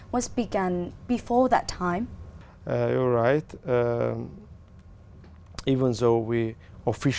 và cũng có rất nhiều quân sĩ khác